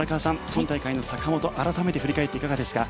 今大会の坂本改めて振り返っていかがですか？